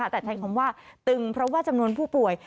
แต่ใช้คำว่าตึงเพราะว่าจำนวนผู้ป่วย